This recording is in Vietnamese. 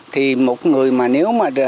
thì một người mà nếu mà